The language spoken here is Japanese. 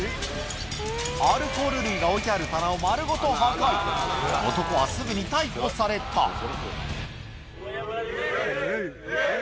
アルコール類が置いてある棚を丸ごと破壊男はすぐに逮捕されたウエイ！